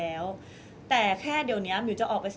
มิวยังมีเจ้าหน้าที่ตำรวจอีกหลายคนที่พร้อมจะให้ความยุติธรรมกับมิว